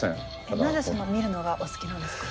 なぜその見るのがお好きなんですか？